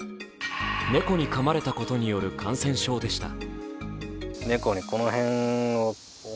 猫にかまれたことによる感染症でした。